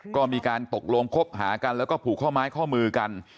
ก็มีการตกลงคบหากันแล้วก็ผูกข้อไม้ข้อมือกัน